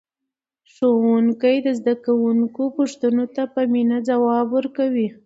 ښوونکی د زده کوونکو پوښتنو ته په مینه ځواب ورکوي